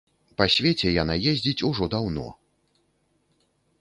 Па свеце яна ездзіць ужо даўно.